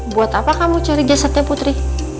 buat apa kamu cari jasadnya putri